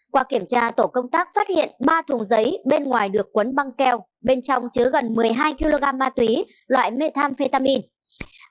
qua kiểm tra tổ công tác phát hiện ba thùng giấy bên ngoài được quấn băng keo bên trong chứa gần một mươi hai kg ma túy loại methamphetamin